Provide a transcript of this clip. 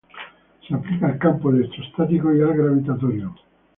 Se aplica al campo electrostático y al gravitatorio.